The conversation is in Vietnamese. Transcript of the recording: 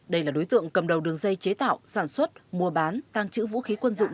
đây là đối tượng cầm đầu đường dây chế tạo sản xuất mua bán tăng trữ vũ khí quân dụng